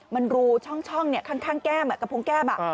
มันรูช่องข้างแก้มกระพงแก้ม